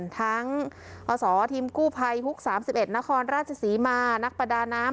ทั้งอศทีมกู้ภัยฮุก๓๑นครราชศรีมานักประดาน้ำ